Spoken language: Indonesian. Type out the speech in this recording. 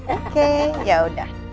oke ya udah